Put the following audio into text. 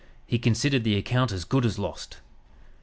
He considered the account as good as lost.